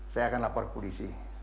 saya akan lapor polisi